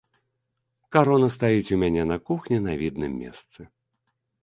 Карона стаіць у мяне на кухні на відным месцы.